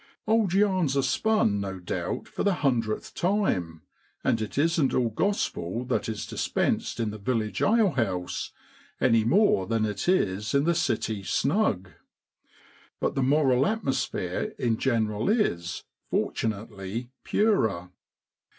Old yarns are spun no doubt for the hundredth time, and it isn't all Grospel that is dispensed in the village alehouse, any more than it is in the city ' snug.' But the moral atmosphere in general is, fortunately, purer.